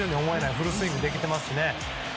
フルスイングできていますね。